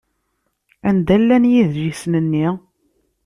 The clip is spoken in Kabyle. Anda llan yidlisen-nni?